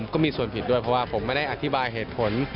ก็มีส่วนผิดด้วยเพราะว่าผมไม่ได้อธิบายเหตุผล